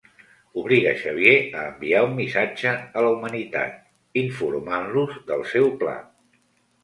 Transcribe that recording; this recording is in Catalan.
Obliga Xavier a enviar un missatge a la humanitat, informant-los del seu pla.